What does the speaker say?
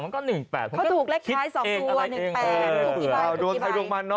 ข้อถูกละไทรลุกมัญน้อ